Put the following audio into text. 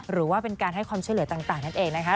หรือว่าเป็นการให้ความช่วยเหลือต่างนั่นเองนะคะ